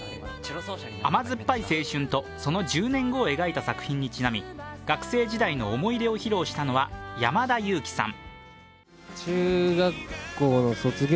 甘酸っぱい青春とその１０年後を描いた作品にちなみ学生時代の思い出を披露したのは山田裕貴さん。